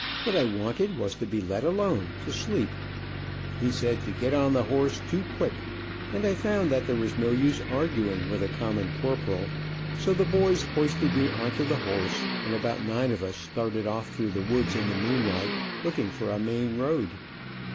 What I wanted was to be let alone, to sleep. He said to get on the horse too quick, and I found there was no use arguing with a common corporal, so the boys hoisted me on to the horse, and about nine of us started off through the woods in the moonlight, looking for a main road.